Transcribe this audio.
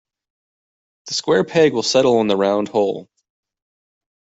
The square peg will settle in the round hole.